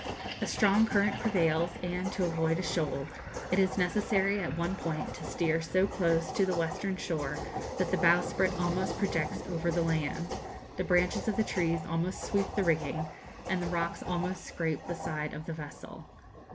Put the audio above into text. A strong current prevails, and, to avoid a shoal, it is necessary at one point to steer so close to the western shore that the bowsprit almost projects over the land, the branches of the trees almost sweep the rigging, and the rocks almost scrape the side of the vessel.